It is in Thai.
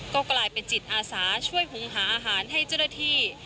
ก็กลายเป็นจิตอาสาช่วยหุงหาอาหารให้เจ้าหน้าที่